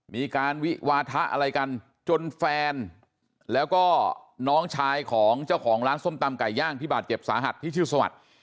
มีการวิวาทะอะไรกันจนแฟนแล้วก็น้องชายของเจ้าของร้านส้มตำไก่ย่างที่บาดเจ็บสาหัสที่ชื่อสวัสดิ์